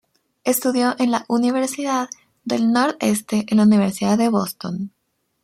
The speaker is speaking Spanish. Estudió en la Universidad del Nordeste y en la Universidad de Boston.